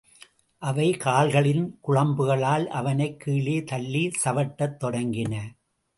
அவை கால்களின் குளம்புகளால் அவனைக் கீழே தள்ளிச் சவட்டத் தொடங்கின.